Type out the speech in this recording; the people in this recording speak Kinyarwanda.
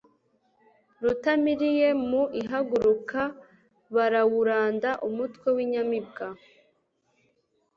Rutamiriye mu ihagurukaBarawuranda umutwe w' inyamibwa